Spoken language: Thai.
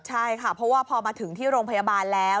ใช่ค่ะเพราะว่าพอมาถึงที่โรงพยาบาลแล้ว